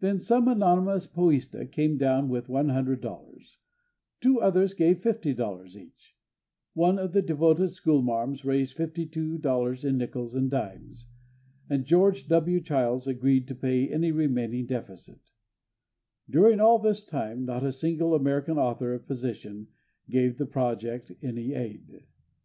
Then some anonymous Poeista came down with $100, two others gave $50 each, one of the devoted schoolmarms raised $52 in nickels and dimes, and George W. Childs agreed to pay any remaining deficit. During all this time not a single American author of position gave the project any aid.